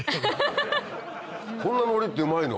こんなのりってうまいの？